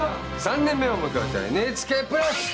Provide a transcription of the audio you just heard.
３年目を迎えたＮＨＫプラス！